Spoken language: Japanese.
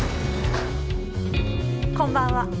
こんばんは。